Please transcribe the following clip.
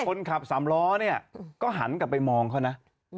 คนขับสามล้อเนี่ยก็หันกลับไปมองเขานะ